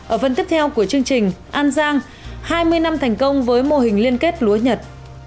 ở phần tiếp theo của chương trình an giang hai mươi năm thành công với mô hình liên kết lúa nhật